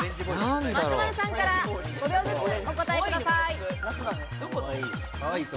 松丸さんから５秒ずつお答えください。